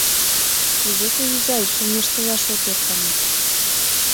— Кузе тый, изай, чоҥештылаш от ӧркане?